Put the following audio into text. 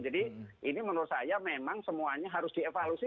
jadi ini menurut saya memang semuanya harus dievaluasi